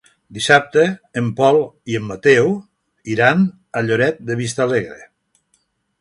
Dissabte en Pol i en Mateu iran a Lloret de Vistalegre.